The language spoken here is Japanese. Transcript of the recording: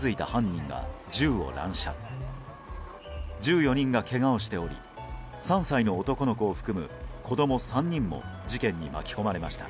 １４人がけがをしており３歳の男の子を含む子供３人も事件に巻き込まれました。